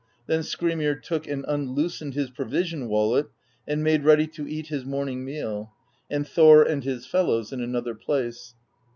Then Skrymir took and unloosened his provision wallet and made ready to eat his morning meal, and Thor and his fellows in another place.